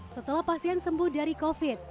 setelah pasien sembuh dari covid